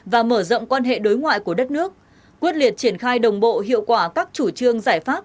và mở rộng quan hệ đối ngoại của đất nước quyết liệt triển khai đồng bộ hiệu quả các chủ trương giải pháp